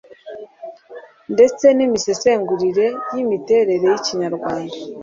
ndetse n'imisesengurire y'imiterere y'Ikinyarwanda